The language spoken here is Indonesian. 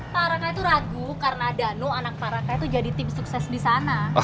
pak raka itu ragu karena dano anak pak raka itu jadi tim sukses disana